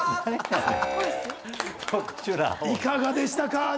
いかがでしたか？